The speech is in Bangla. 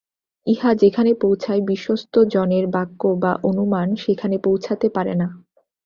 ইহা যেখানে পৌঁছায়, বিশ্বস্ত জনের বাক্য বা অনুমান সেখানে পৌঁছাতে পারে না।